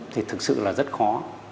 thì thực sự là rất khó